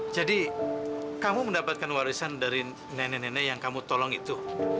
jadi kamu mendapatkan warisan dari nenek nenek yang kamu tolong itu